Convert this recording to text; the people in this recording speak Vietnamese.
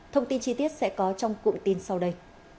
thông tin chi tiết sẽ có trong cụm tin sau đây